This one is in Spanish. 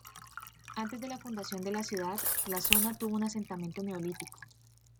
Antes de la fundación de la ciudad, la zona tuvo un asentamiento neolítico.